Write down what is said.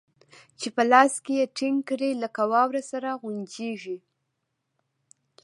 چې په لاس کښې يې ټينګ کړې لکه واوره سره غونجېږي.